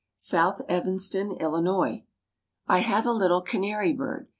SOUTH EVANSTON, ILLINOIS. I have a little canary bird.